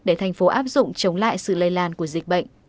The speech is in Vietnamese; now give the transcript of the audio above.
để thành phố áp dụng chống lại sự lây lan của dịch bệnh